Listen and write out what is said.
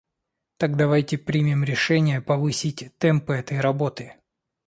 Так давайте примем решение повысить темпы этой работы.